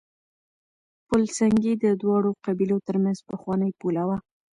پل سنګي د دواړو قبيلو ترمنځ پخوانۍ پوله وه.